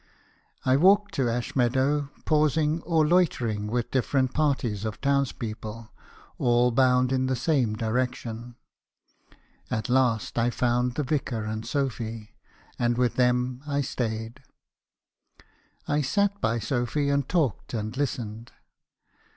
I walked to Ashmeadow , pausing , or loitering with different parties of town's people , all bound in the same direction. At last I found the Vicar and Sophy, and with them I staid. I sat by Sophy , and talked and listened.